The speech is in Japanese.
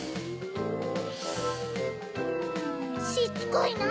しつこいな。